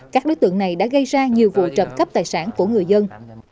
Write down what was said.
các đối tượng này đã gây ra nhiều vụ trộm cắp tài sản của người dân